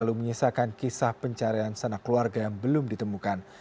lalu menyisakan kisah pencarian sanak keluarga yang belum ditemukan